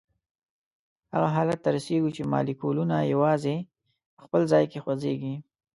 هغه حالت ته رسیږو چې مالیکولونه یوازي په خپل ځای کې خوځیږي.